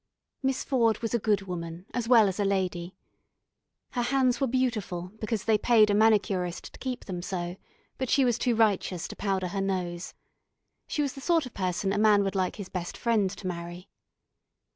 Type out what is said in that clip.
Miss Ford was a good woman, as well as a lady. Her hands were beautiful because they paid a manicurist to keep them so, but she was too righteous to powder her nose. She was the sort of person a man would like his best friend to marry.